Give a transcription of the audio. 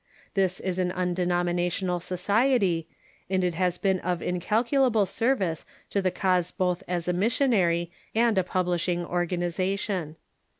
This is an undenominational society, and it has been of incalculable ser vice to the cause both as a missionary and a publishing organ ization.